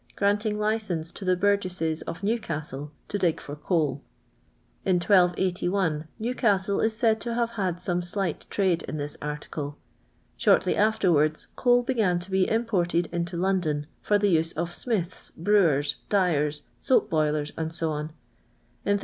granting licence to the burgesses of Newcastle to dig for coal. In 1281 Newcastle is s:iid to have had some slight trade in this article. Shortly afterwards coul began to be imported into Loudon for the use of Miitlis, brewers, dyers, soap boilers, &c. In 1816, during the reign of Edward I.